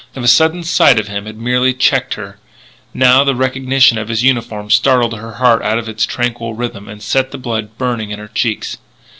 The sudden sight of him had merely checked her; now the recognition of his uniform startled her heart out of its tranquil rhythm and set the blood burning in her cheeks.